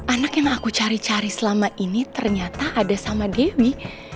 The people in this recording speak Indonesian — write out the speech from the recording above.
anak yang aku cari cari selama ini ternyata ada sama dewi